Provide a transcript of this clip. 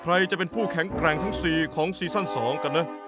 ใครจะเป็นผู้แข่งการังทั้งสี่ของซีสานสองกันนะ